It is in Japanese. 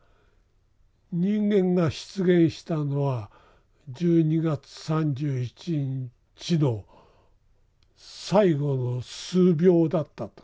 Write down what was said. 人間が出現したのは１２月３１日の最後の数秒だったと。